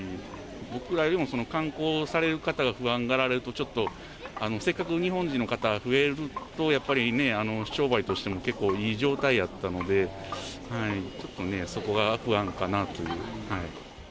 僕らよりも観光される方が不安がられると、せっかく日本人の方が増えるとやっぱりね、商売としても結構いい状態やったので、ちょっとね、そこが不安かなという。